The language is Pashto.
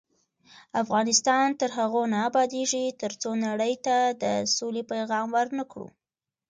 افغانستان تر هغو نه ابادیږي، ترڅو نړۍ ته د سولې پیغام ورنکړو.